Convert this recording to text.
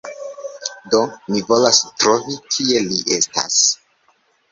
Do, mi volas trovi... kie li estas